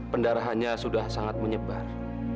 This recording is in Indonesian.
pendarahannya sudah sangat menyebar